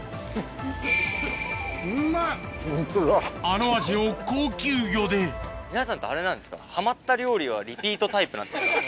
あの味を高級魚で皆さんあれなんですかハマった料理リピートタイプなんですか。